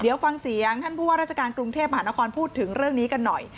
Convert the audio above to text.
เดี๋ยวฟังเสียงท่านผู้ว่าราชการกรุงเทพมหานครพูดถึงเรื่องนี้กันหน่อย